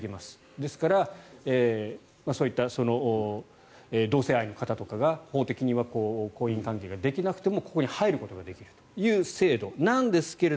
ですからそういった同性愛の方とかが法的には婚姻とかができなくてもここに入ることができるという制度なんですけれど